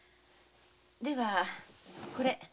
ではこれを。